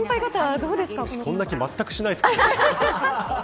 そんな気まったくしないです。